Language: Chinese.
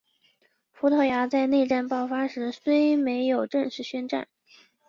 葡萄牙在内战爆发时虽没有正式宣战。